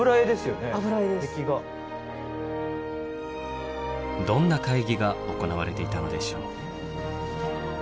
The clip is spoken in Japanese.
どんな会議が行われていたのでしょう。